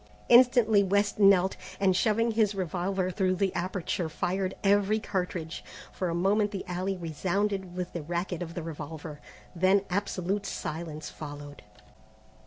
Instantly West knelt, and shoving his revolver through the aperture fired every cartridge. For a moment the alley resounded with the racket of the revolver, then absolute silence followed.